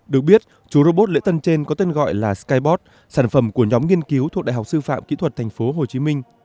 được biết chú robot lễ tân trên có tên gọi là skybot sản phẩm của nhóm nghiên cứu thuộc đại học sư phạm kỹ thuật thành phố hồ chí minh